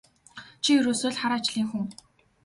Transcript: Чи ерөөсөө л хар ажлын хүн.